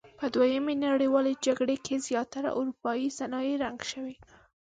په دویمې نړیوالې جګړې کې زیاتره اورپایي صنایع رنګ شوي.